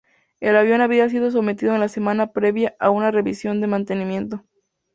El avión había sido sometido en la semana previa a una revisión de mantenimiento.